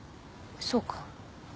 そうか。